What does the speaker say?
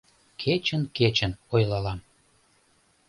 Кечын-кечын ойлалам.